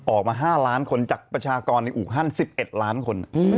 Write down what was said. ออกมา๕ล้านคนจากประชากรในอู่ฮั่น๑๑ล้านคน